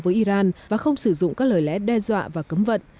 với iran và không sử dụng các lời lẽ đe dọa và cấm vận